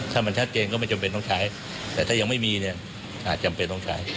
ถ้ามันชัดเจนก็ไม่จำเป็นต้องใช้แต่ถ้ายังไม่มีเนี่ยอาจจำเป็นต้องใช้